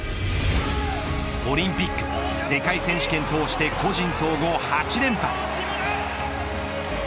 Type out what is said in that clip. オリンピック世界選手権通して個人総合８連覇。